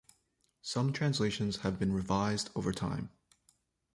Some translations have been revised over time.